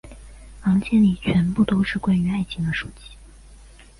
房间里全部都是关于爱情的书籍。